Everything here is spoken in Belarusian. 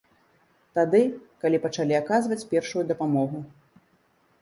Тады, калі пачалі аказваць першую дапамогу.